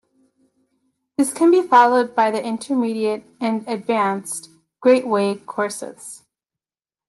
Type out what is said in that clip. This can be followed by the Intermediate and advanced, 'Great Way' courses.